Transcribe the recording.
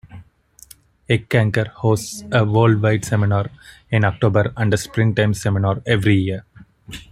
Eckankar hosts a Worldwide Seminar in October and a Springtime Seminar every year.